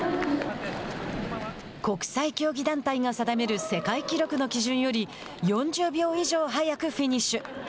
国際競技団体が定める世界記録の基準より４０秒以上速くフィニッシュ。